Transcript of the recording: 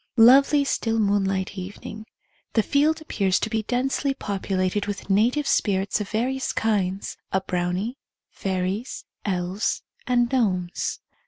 Lov^^.y still moonlight evening. The field appears to be densely populated with native spirits of various kinds — a brownie, fairies, elves, and gnomes.